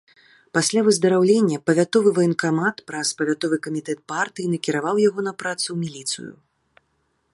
Пасля выздараўлення павятовы ваенкамат, праз павятовы камітэт партыі, накіраваў яго на працу ў міліцыю.